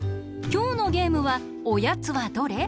きょうのゲームは「おやつはどれ？」。